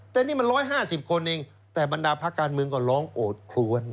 แต่นี่มัน๑๕๐คนเองแต่บรรดาภาคการเมืองก็ร้องโอดคล้วน